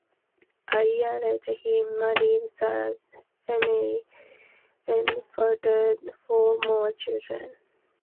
A year later, he married Sarah Emery and fathered four more children.